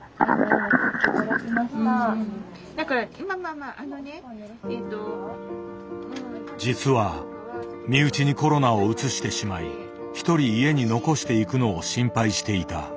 まあとりあえず実は身内にコロナをうつしてしまいひとり家に残していくのを心配していた。